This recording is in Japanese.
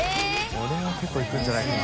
これは結構いくんじゃないかな？